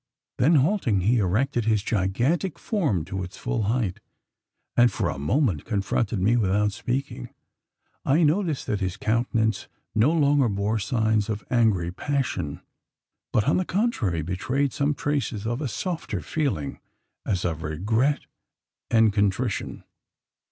Then halting, he erected his gigantic form to its full height; and, for a moment, confronted me without speaking. I noticed that his countenance no longer bore signs of angry passion; but, on the contrary, betrayed some traces of a softer feeling as of regret and contrition.